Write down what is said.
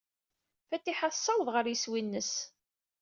Fatiḥa tessaweḍ ɣer yeswi-nnes.